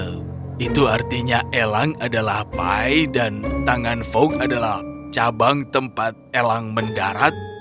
oh itu artinya elang adalah pie dan tangan fok adalah cabang tempat elang mendarat